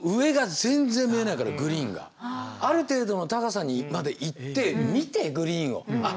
ある程度の高さにまで行って見てグリーンをあ